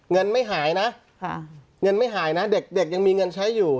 เงินไม่หายนะเงินไม่หายนะเด็กยังมีเงินใช้อยู่